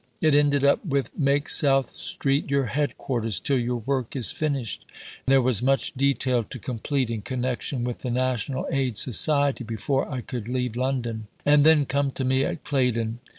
It ended up with "make South Street your headquarters till your work is finished" (there was much detail to complete in connection with the National Aid Society before I could leave London), "and then come to me at Claydon."